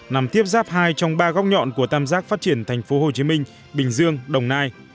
nằm tiếp giáp hai trong ba góc nhọn của tam giác phát triển thành phố hồ chí minh bình dương đồng nai